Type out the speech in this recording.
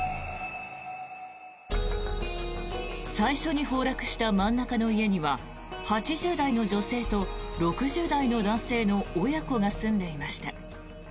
最初に崩落した真ん中の家には８０代の女性と６０代の男性の親子が住んでいました。